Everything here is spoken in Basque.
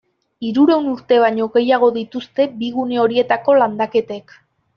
Hirurehun urte baino gehiago dituzte bi gune horietako landaketek.